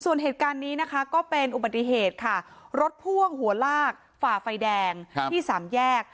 ส่วนเหตุการณ์นี้นะคะก็เป็นอุบัติเหตุค่ะรถพ่วงหัวลากฝ่าไฟแดงที่สามแยก